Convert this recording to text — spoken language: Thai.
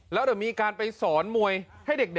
แล้วเดี๋ยวมีการไปสอนมวยให้เด็ก